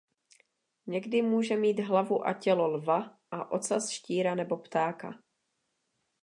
Někdy může mít hlavu a tělo lva a ocas štíra nebo ptáka.